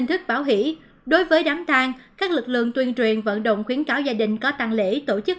thang các lực lượng tuyên truyền vận động khuyến cáo gia đình có tăng lễ tổ chức